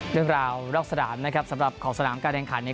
เรื่องราวลอกสนามสำหรับของสนามกลางแผ่นขัน